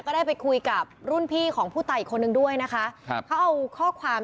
ได้ไปคุยกับรุ่นพี่ของผู้ตายอีกคนนึงด้วยนะคะครับเขาเอาข้อความ